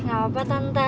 gak apa apa tante